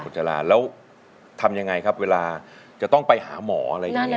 จราแล้วทำยังไงครับเวลาจะต้องไปหาหมออะไรอย่างนี้